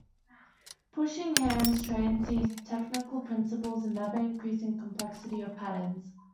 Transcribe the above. Pushing hands trains these technical principles in ever increasing complexity of patterns.